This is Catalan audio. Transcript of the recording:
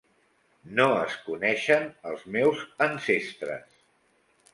No es coneixen els meus ancestres.